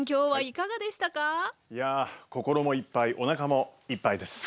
いや心もいっぱいおなかもいっぱいです。